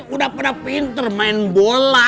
udah pada pinter main bola